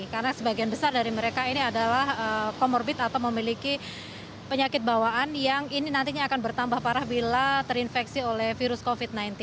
karena sebagian besar dari mereka ini adalah comorbid atau memiliki penyakit bawaan yang ini nantinya akan bertambah parah bila terinfeksi oleh virus covid sembilan belas